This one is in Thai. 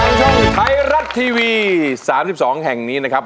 ช่องไทยรัฐทีวี๓๒แห่งนี้นะครับ